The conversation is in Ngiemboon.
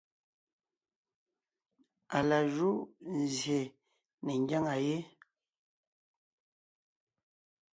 Á la júʼ nzsyè ne ńgyáŋa yé,